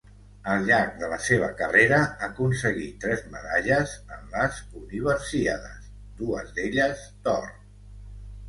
Al llarg de la seva carrera aconseguí tres medalles en les Universíades, dues d'elles d'or.